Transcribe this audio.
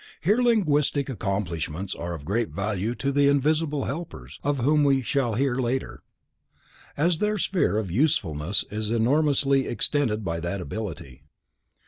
Hence linguistic accomplishments are of great value to the "Invisible Helpers", of whom we shall hear later, as their sphere of usefulness is enormously extended by that ability.